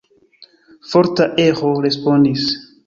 Forta eĥo respondis.